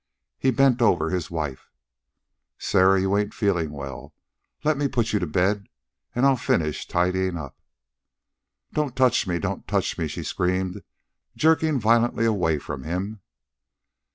He bent over his wife. "Sarah, you ain't feelin' well. Let me put you to bed, and I'll finish tidying up." "Don't touch me! don't touch me!" she screamed, jerking violently away from him.